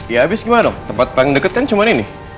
ya abis gimana dong tempat dekat kan cuman ini